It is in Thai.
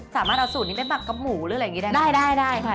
สามารถเอาสูตรนี้ไม่บังกับหมูหรืออะไรอย่างนี้ได้น่ะ